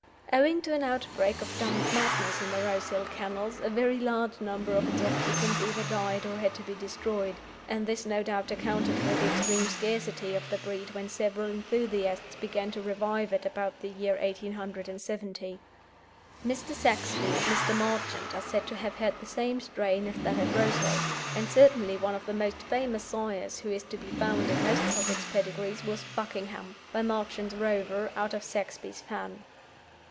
Owing to an outbreak of dumb madness in the Rosehill kennels, a very large number of its occupants either died or had to be destroyed, and this no doubt accounted for the extreme scarcity of the breed when several enthusiasts began to revive it about the year 1870. Mr. Saxby and Mr. Marchant are said to have had the same strain as that at Rosehill, and certainly one of the most famous sires who is to be found in most Sussex pedigrees was Buckingham, by Marchant's Rover out of Saxby's Fan.